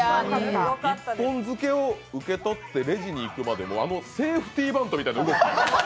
一本漬を受け取って、レジに行くまでのセーフティーバントみたいな動き。